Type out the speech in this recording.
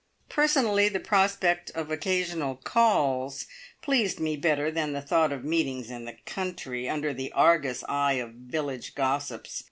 Personally the prospect of occasional "calls" pleased me better than the thought of meetings in the country, under the Argus eye of village gossips.